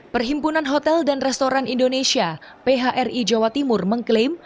perhimpunan hotel dan restoran indonesia phri jawa timur mengklaim